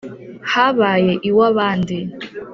Habaye iw'abandi